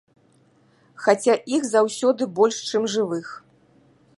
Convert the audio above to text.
Хаця іх заўсёды больш, чым жывых.